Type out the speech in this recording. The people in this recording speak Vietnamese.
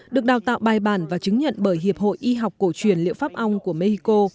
được đào tạo bài bản và chứng nhận bởi hiệp hội y học cổ truyền liệu pháp ong của mexico